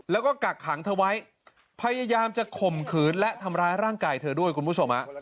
แล้วก็กักขังเธอไว้พยายามจะข่มขืนและทำร้ายร่างกายเธอด้วยคุณผู้ชม